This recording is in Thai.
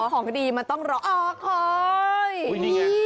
อ๋อของดีมันต้องรอคอย